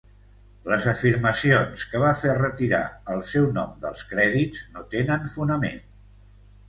Les afirmacions que va fer retirar el seu nom dels crèdits no tenen fonament.